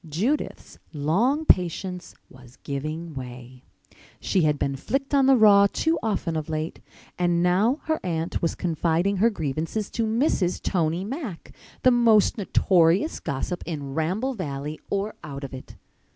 Judith's long patience was giving way. She had been flicked on the raw too often of late. And now her aunt was confiding her grievances to Mrs. Tony Mack—the most notorious gossip in Ramble Valley or out of it!